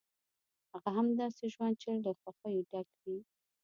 هغه هم داسې ژوند چې له خوښیو ډک وي.